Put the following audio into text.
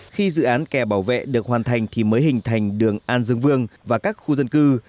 khi dự án kè bảo vệ được hoàn thành thì mới hình thành đường an dương vương và các khu dân cư